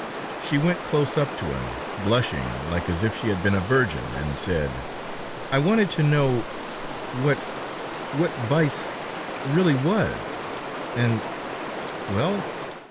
She went close up to him, blushing like as if she had been a virgin, and said: "I wanted to know ... what ... what vice ... really was, ... and ... well